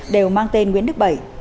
đều mang tên nguyễn đức bảy